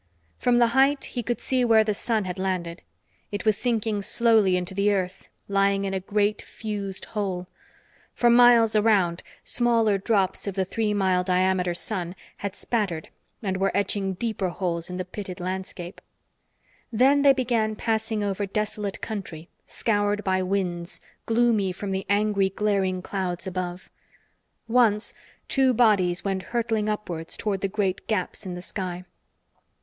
From the height, he could see where the sun had landed. It was sinking slowly into the earth, lying in a great fused hole. For miles around, smaller drops of the three mile diameter sun had spattered and were etching deeper holes in the pitted landscape. Then they began passing over desolate country, scoured by winds, gloomy from the angry, glaring clouds above. Once, two bodies went hurtling upwards toward the great gaps in the sky.